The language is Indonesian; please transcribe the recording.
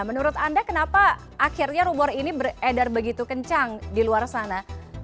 menurut anda kenapa akhirnya rumor ini beredar begitu kencang di luar sana